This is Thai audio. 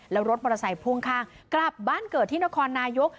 แล้วรถมอเตอร์ไซค์พ่วงข้างกลับบ้านเกิดที่นครนายก